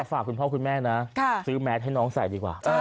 ฝากคุณพ่อคุณแม่นะซื้อแมสให้น้องใส่ดีกว่า